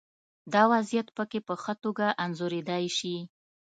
دا وضعیت پکې په ښه توګه انځورېدای شي.